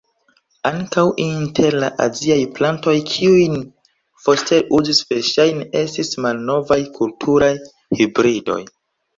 Ankaŭ inter la aziaj plantoj, kiujn Foster uzis verŝajne estis malnovaj kulturaj hibridoj.